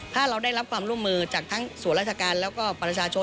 ถ้าเราได้รับความร่วมมือจากทั้งส่วนราชการแล้วก็ประชาชน